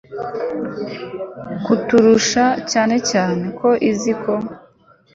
kuturusha, cyane cyane ko izi ko